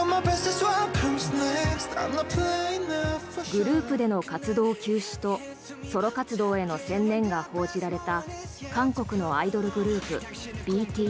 グループでの活動休止とソロ活動への専念が報じられた韓国のアイドルグループＢＴＳ。